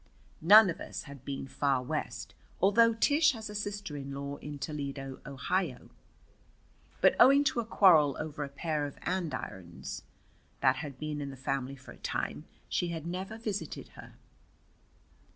None of us had been far West, although Tish has a sister in law in, Toledo, Ohio. But owing to a quarrel over a pair of andirons that had been in the family for a time, she had never visited her.